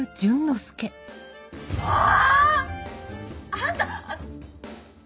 あ！あんた！